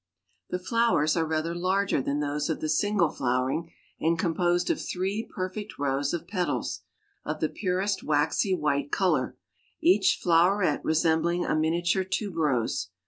The flowers are rather larger than those of the single flowering, and composed of three perfect rows of petals, of the purest waxy white color, each floweret resembling a miniature Tuberose.